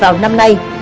vào năm nay